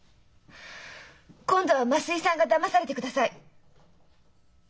今度は増井さんがだまされてください。